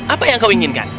apa yang kau inginkan